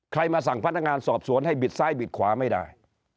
มาสั่งพนักงานสอบสวนให้บิดซ้ายบิดขวาไม่ได้